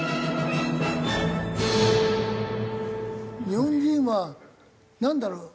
日本人はなんだろう？